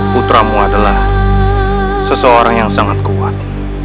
putramu adalah seseorang yang sangat kuat